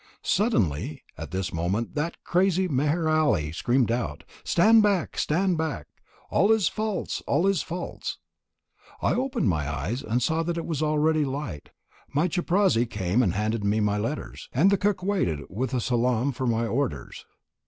Suddenly at this moment that crazy Meher Ali screamed out: "Stand back! Stand back!! All is false! All is false!!" I opened my eyes and saw that it was already light. My chaprasi came and handed me my letters, and the cook waited with a salam for my orders.